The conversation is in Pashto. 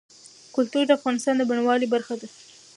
کلتور د افغانستان د بڼوالۍ برخه ده.